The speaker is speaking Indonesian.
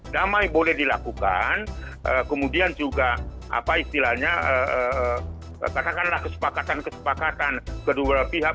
damai boleh dilakukan kemudian juga apa istilahnya katakanlah kesepakatan kesepakatan kedua pihak